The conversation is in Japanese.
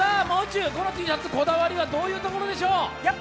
もう中、このＴシャツこだわりはどういうところでしょう？